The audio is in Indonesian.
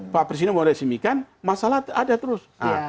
pak presiden mau resmikan masalah ada terus